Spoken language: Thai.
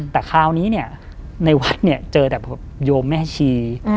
แต่คราวนี้ในวัดเจอแต่โยมแม่ชี